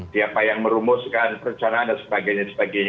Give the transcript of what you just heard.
siapa yang merumuskan perencanaan dan sebagainya